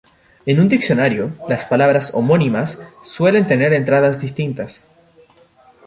En un diccionario, las palabras homónimas suelen tener entradas distintas.